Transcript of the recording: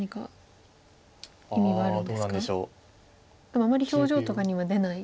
でもあまり表情とかには出ない。